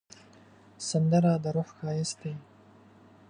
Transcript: سندره د روح ښایست دی